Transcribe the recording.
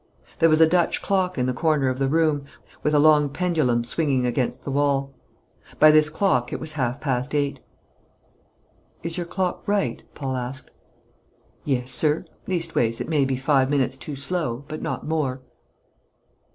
There was a Dutch clock in the corner of the room, with a long pendulum swinging against the wall. By this clock it was half past eight. "Is your clock right?" Paul asked. "Yes, sir. Leastways, it may be five minutes too slow, but not more."